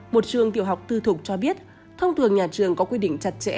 một trường tiểu học tư thục cho biết thông thường nhà trường có quy định chặt chẽ